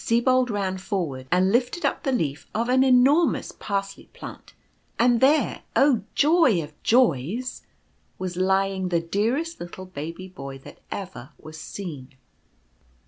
Sibold ran forward, and lifted up the leaf of an enor mous Parsley plant; and there — oh, joy of joys !— was lying the dearest little Baby Boy that ever was seen.